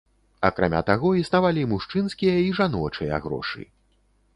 Акрамя таго, існавалі мужчынскія і жаночыя грошы.